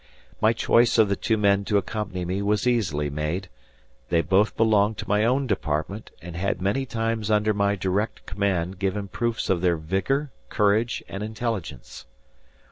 My choice of the two men to accompany me was easily made. They both belonged to my own department, and had many times under my direct command given proofs of their vigor, courage and intelligence.